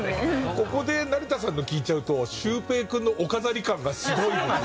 ここで成田さんの聞いちゃうとシュウペイ君のお飾り感がすごいんですよ。